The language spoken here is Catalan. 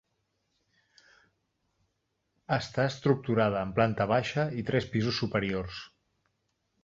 Està estructurada en planta baixa i tres pisos superiors.